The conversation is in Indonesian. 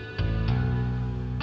jadi kita udah lupakan